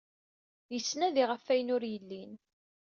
Yettnadi ɣef wayen ur yellin.